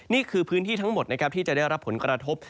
นี่คือพื้นที่ทั้งหมดนะครับที่จะได้รับผลกระทบ